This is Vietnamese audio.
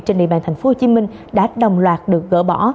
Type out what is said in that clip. trên địa bàn thành phố hồ chí minh đã đồng loạt được gỡ bỏ